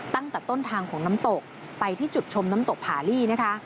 ตั้งแต่ต้นทางของน้ำตกไปที่จุดชมน้ำตกผาลี่นะคะ